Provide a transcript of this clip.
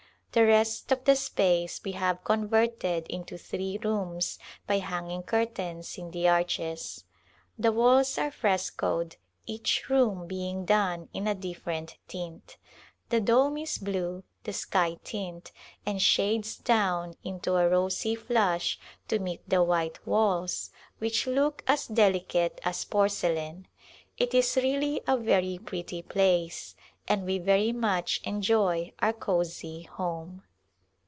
The rest of the space we have converted into three rooms by hanging cur tains in the arches. The walls are frescoed, each room being done in a different tint. The dome is blue — the sky tint — and shades down into a rosy flush to meet the white walls which look as delicate as porcelain. It is really a very pretty place and we very much enjoy our cozy home.